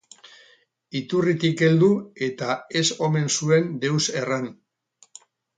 Iturritik heldu, eta ez omen zuen deus erran.